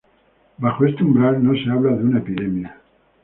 Bajo este umbral, no se habla de una epidemia.